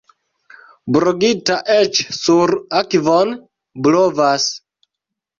Brogita eĉ sur akvon blovas.